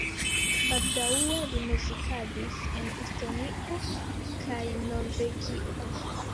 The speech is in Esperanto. Baldaŭe li muzikadis en Estonio kaj Norvegio.